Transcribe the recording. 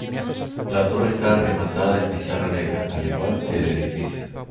La torre está rematada en pizarra negra, al igual que el edificio.